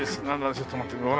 ちょっと待って。